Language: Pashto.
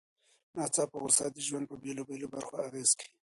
ناڅاپه غوسه د ژوند په بېلابېلو برخو اغېز کوي.